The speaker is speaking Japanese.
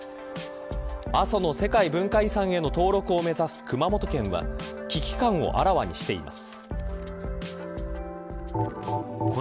阿蘇の世界文化遺産への登録を目指す熊本県は危機感をあらわにしています。